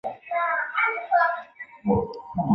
亚祖县伊甸乡间也因龙卷风致使一套移动房屋倒塌。